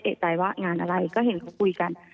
เอกใจว่างานอะไรก็เห็นเขาคุยกัน